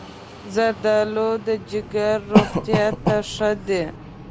زردالو د جگر روغتیا ته ښه ده.